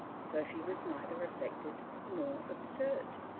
Sophy was neither affected nor absurd.